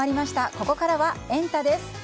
ここからはエンタ！です。